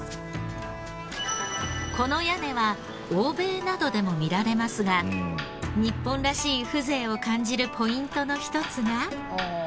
この屋根は欧米などでも見られますが日本らしい風情を感じるポイントの一つが。